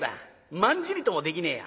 まんじりともできねえや。